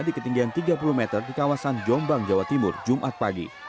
di ketinggian tiga puluh meter di kawasan jombang jawa timur jumat pagi